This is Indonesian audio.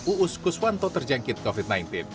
uus kuswanto terjangkit covid sembilan belas